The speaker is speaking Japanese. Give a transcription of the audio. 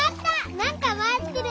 なんかまわってる！